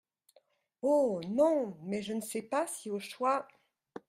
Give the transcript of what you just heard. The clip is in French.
Oh ! non ! mais je ne sais pas si au choix…